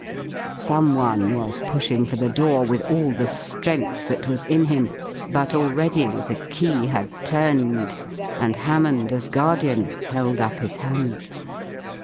Someone was pushing for the door with all the strength that was in him, but already the key had turned, and Hammond, as guardian, held up his hand.